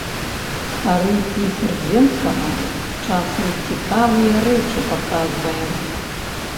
Стары пісар земскага часам цікавыя рэчы паказвае.